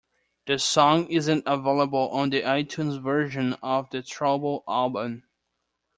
The song isn't available on the iTunes version of the "Trouble" album.